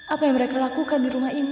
apa yang mereka lakukan di rumah ini